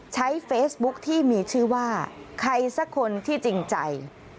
ใช้เฟซบุ๊คที่มีชื่อว่าใครสักคนที่จริงใจ